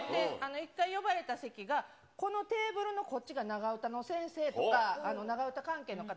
一回呼ばれた席が、このテーブルのこっちが長唄の先生とか、長唄関係の方。